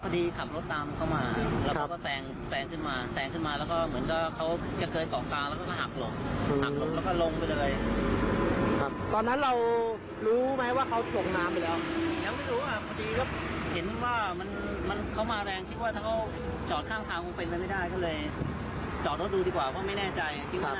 เราลองไปดูแล้วก็ลงไปดูเห็นรถนอนหงายท้องอยู่ในน้ำ